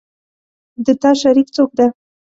د تا شریک څوک ده